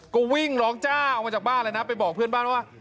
ก็วิ่งร้องจ้าออกมาจากบ้านเลยนะไปบอกเพื่อนบ้านว่า